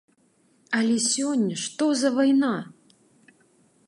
Але сёння што за вайна?!